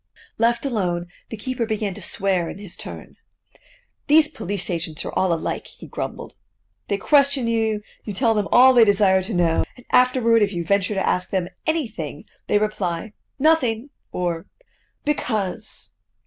Left alone, the keeper began to swear in his turn. "These police agents are all alike," he grumbled. "They question you, you tell them all they desire to know; and afterward, if you venture to ask them anything, they reply: 'nothing,' or 'because.